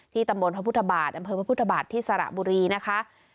ตำบลพระพุทธบาทอำเภอพระพุทธบาทที่สระบุรีนะคะ